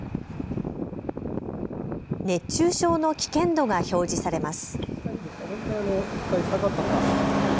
熱中症の危険度が表示されます。